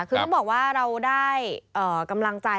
คือต้องบอกว่าเราได้กำลังใจ